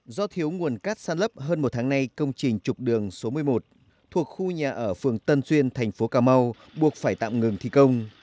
do thiếu nguồn cát sàn lấp hơn một tháng nay công trình trục đường số một mươi một thuộc khu nhà ở phường tân duyên thành phố cà mau buộc phải tạm ngừng thi công